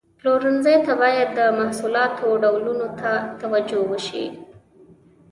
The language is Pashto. پلورنځي ته باید د محصولاتو ډولونو ته توجه وشي.